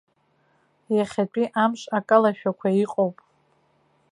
Иахьатәи амш акалашәақәа иҟоуп!